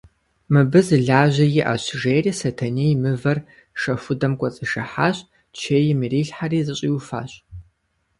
Мыбы зы лажьэ иӏэщ, – жери Сэтэней мывэр шэхудэм кӏуэцӏишыхьащ, чейм ирилъхьэри зэщӏиуфащ.